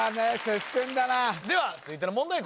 接戦だなでは続いての問題